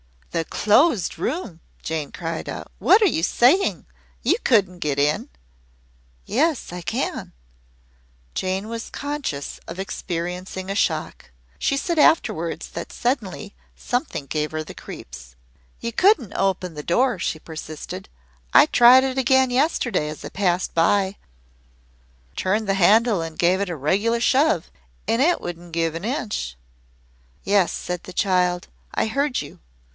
"The Closed Room!" Jane cried out. "What are you saying? You couldn't get in?" "Yes, I can." Jane was conscious of experiencing a shock. She said afterwards that suddenly something gave her the creeps. "You couldn't open the door," she persisted. "I tried it again yesterday as I passed by turned the handle and gave it a regular shove and it wouldn't give an inch." "Yes," the child answered; "I heard you.